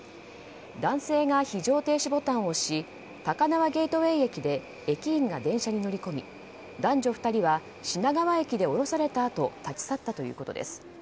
男性が非常停止ボタンを押し高輪ゲートウェイ駅で駅員が電車に乗りこみ男女２人は品川駅で降ろされたあと立ち去ったということです。